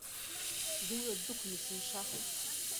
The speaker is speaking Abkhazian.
Дыҩуа ддәықәын есымша.